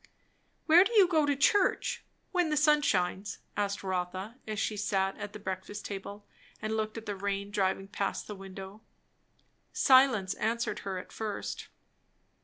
"Where do you go to church? when the sun shines," asked Rotha, as she sat at the breakfast table and looked at the rain driving past the window. Silence answered her at first.